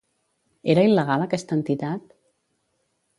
Era il·legal aquesta entitat?